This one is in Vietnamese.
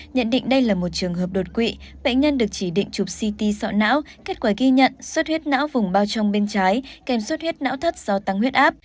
nhận định đây là một trường hợp đột quỵ bệnh nhân được chỉ định chụp ct sọ não kết quả ghi nhận suất huyết não vùng bao trong bên trái kèm sốt huyết não thất do tăng huyết áp